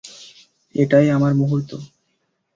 এটাই আমার মুহূর্ত।